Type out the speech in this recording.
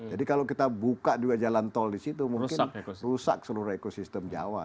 jadi kalau kita buka dua jalan tol disitu mungkin rusak seluruh ekosistem jawa